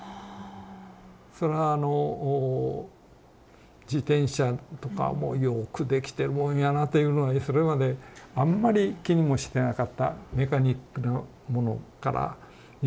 そらあの自転車とかもよくできてるもんやなっていうのにそれまであんまり気にもしてなかったメカニックのものから身の回りのもの